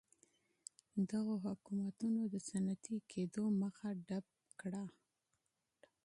دغو حکومتونو د صنعتي کېدو مخه ډپ کړه.